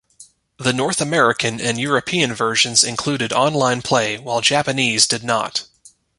The North American and European versions included online play while Japanese did not.